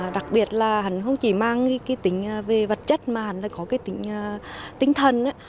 đặc biệt là hắn không chỉ mang cái tính về vật chất mà hắn lại có cái tính tinh thần